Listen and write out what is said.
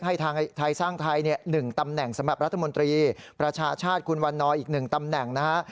ให้ทางไทยสร้างไทย๑ตำแหน่งสำหรับรัฐมนตรีประชาชาติคุณวันนออีก๑ตำแหน่งนะฮะ